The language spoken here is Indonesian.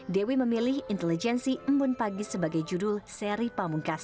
dewi memilih intelijensi mbun pagi sebagai judul seri pembungkase